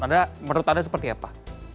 anda menurut anda seperti apa